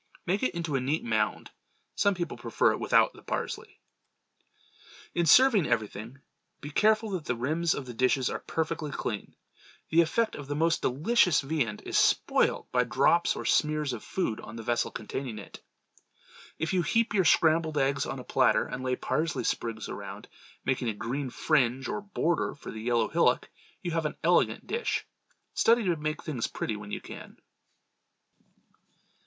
Make it into a neat mound. Some people prefer it without the parsley. In serving everything, be careful that the rims of the dishes are perfectly clean. The effect of the most delicious viand is spoiled by drops or smears of food on the vessel containing it. If you heap your scrambled eggs on a platter and lay parsley sprigs around, making a green fringe or border for the yellow hillock, you have an elegant dish. Study to make plain things pretty when you can.